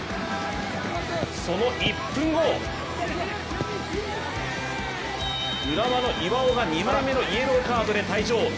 その１分後浦和の岩尾が２枚目のイエローカードで退場。